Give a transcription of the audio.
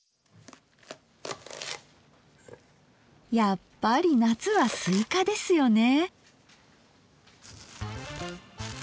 やっぱり夏はスイカですよね。